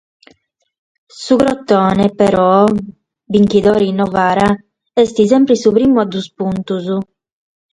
Su Crotone però, binchidore in Novara, est semper su primu a duos puntos.